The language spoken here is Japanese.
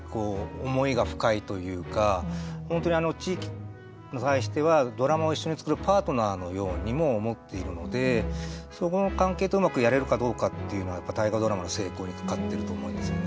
思いが深いというか地域に対してはドラマを一緒に作るパートナーのようにも思っているのでそこの関係とうまくやれるかどうかっていうのは大河ドラマの成功にかかっていると思いますよね。